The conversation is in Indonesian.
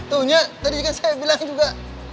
tuhnya tadi kan saya bilang juga